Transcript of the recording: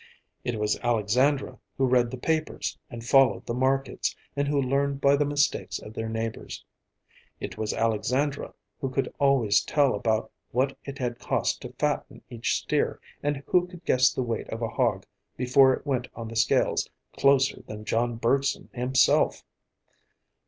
It was Alexandra who read the papers and followed the markets, and who learned by the mistakes of their neighbors. It was Alexandra who could always tell about what it had cost to fatten each steer, and who could guess the weight of a hog before it went on the scales closer than John Bergson himself.